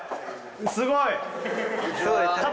すごい！